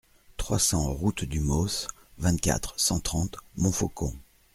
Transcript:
trois cents route du Mausse, vingt-quatre, cent trente, Monfaucon